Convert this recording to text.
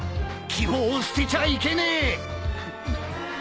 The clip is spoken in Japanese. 希望を捨てちゃいけねえ。